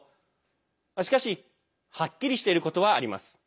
しかし、はっきりしていることはあります。